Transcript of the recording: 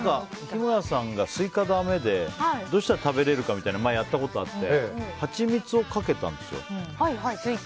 日村さんがスイカだめでどうしたら食べれるかみたいなの前、やったことがあってハチミツをかけたんですよ。